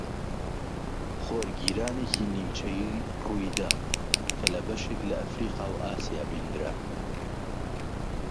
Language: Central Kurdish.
خۆرگیرانێکی نیمچەیی ڕوویدا کە لە بەشێک لە ئەفریقا و ئاسیا بیندرا